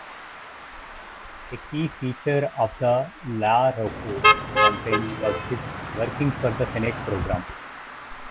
A key feature of the LaRocco campaign was his "Working for the Senate" program.